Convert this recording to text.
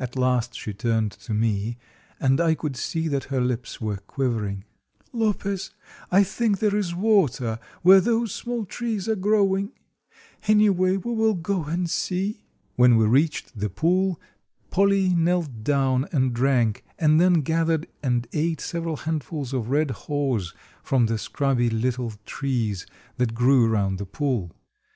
At last she turned to me, and I could see that her lips were quivering. "Lopez, I think there is water where those small trees are growing; anyway, we will go and see." When we reached the pool Polly knelt down and drank, and then gathered and ate several handfuls of red haws from the scrubby little trees that grew around the pool.